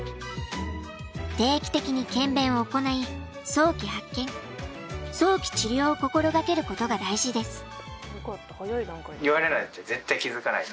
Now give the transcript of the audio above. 定期的に検便を行い早期発見早期治療を心掛けることが大事です。